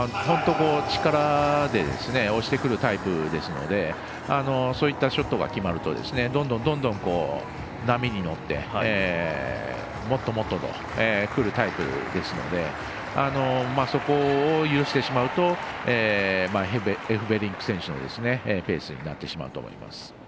力で押してくるタイプですのでそういったショットが決まるとどんどん波に乗ってもっともっとくるタイプですのでそこを許してしまうとエフベリンク選手のペースになってしまうと思います。